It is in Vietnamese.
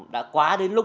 đã quá đến lúc